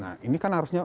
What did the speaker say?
nah ini kan harusnya